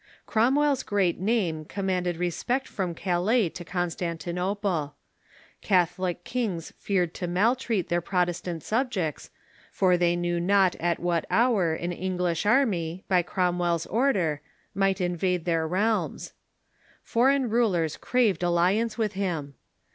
Cromwell's great name commanded respect from Calais to Constantinople. Catholic kings feared to maltreat their Protestant subjects, for they knew not at what hour an English army, by Cromwell's order, might invade CKOMWELL AND THE COMMONAVEALTH 303 their realms. Foreign rulers craved alliance with him.